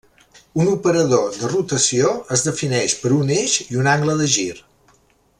Un operador de rotació es defineix per un eix i un angle de gir.